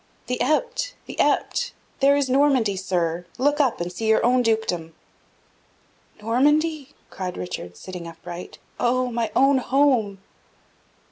"The Epte! the Epte! There is Normandy, sir! Look up, and see your own dukedom." "Normandy!" cried Richard, sitting upright. "Oh, my own home!"